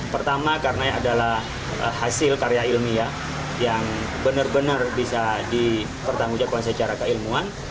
pertama karena adalah hasil karya ilmiah yang benar benar bisa dipertanggungjawabkan secara keilmuan